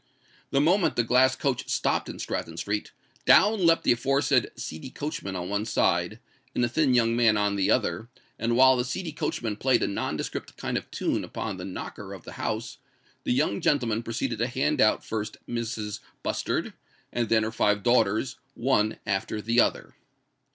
The moment the glass coach stopped in Stratton Street, down leapt the aforesaid seedy coachman on one side, and the thin young man on the other; and while the seedy coachman played a nondescript kind of tune upon the knocker of the house, the young gentleman proceeded to hand out first Mrs. Bustard, and then her five daughters one after the other.